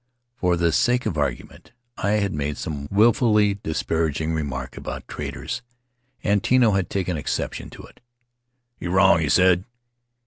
For the sake of argument I had made some willfully disparaging remark about traders, and Tino had taken exception to it. 'You're wrong," he said.